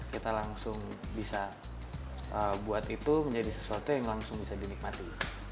kita langsung bisa buat itu menjadi sesuatu yang langsung bisa dinikmati